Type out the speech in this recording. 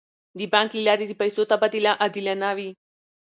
د بانک له لارې د پیسو تبادله عادلانه وي.